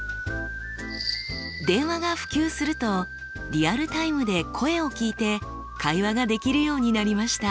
電話が普及するとリアルタイムで声を聞いて会話ができるようになりました。